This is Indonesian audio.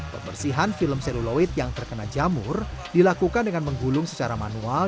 pembersihan film seluloid yang terkena jamur dilakukan dengan menggulung secara manual